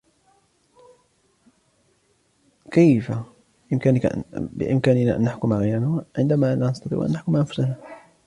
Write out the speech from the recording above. كيف بإمكاننا أن نحكم غيرنا عندما لا نستطيع أن نحكم أنفسنا ؟